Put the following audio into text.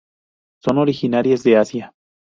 Son originarias de Asia.